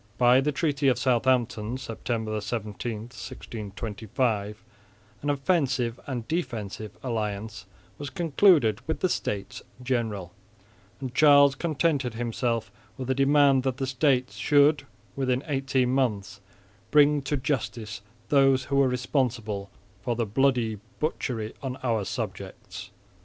By the treaty of Southampton, September 17, 1625, an offensive and defensive alliance was concluded with the States General; and Charles contented himself with a demand that the States should within eighteen months bring to justice those who were responsible "for the bloody butchery on our subjects."